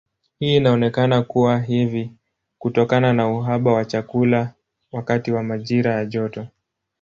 Hii inaonekana kuwa hivi kutokana na uhaba wa chakula wakati wa majira ya joto.